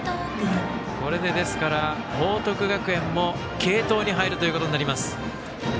ですから報徳学園も継投に入るということになります。